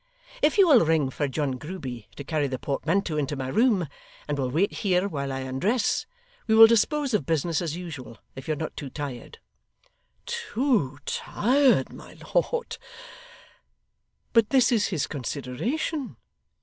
If you will ring for John Grueby to carry the portmanteau into my room, and will wait here while I undress, we will dispose of business as usual, if you're not too tired.' 'Too tired, my lord! But this is his consideration!